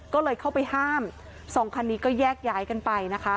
ก็เลยเข้าไปห้ามสองคันนี้ก็แยกย้ายกันไปนะคะ